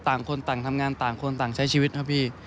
ต่างคนต่างทำงานต่างคนต่างใช้ชีวิตนะครับพี่